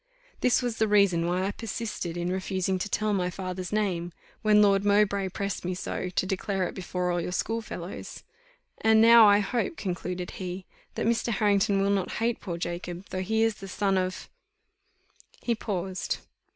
This was the reason why I persisted in refusing to tell my father's name, when Lord Mowbray pressed me so to declare it before all your school fellows. And now, I hope," concluded he, "that Mr. Harrington will not hate poor Jacob, though he is the son of " He paused.